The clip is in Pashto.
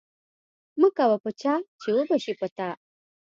مکوه په چا چې وبه شي په تا.